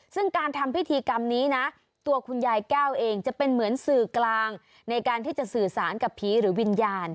ซึ่งการทำพิธีกรรมนี้นะตัวคุณยายแก้วเองจะเป็นเหมือนสื่อกลางในการที่จะสื่อสารกับผีหรือวิญญาณ